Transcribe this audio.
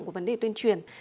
của vấn đề tuyên truyền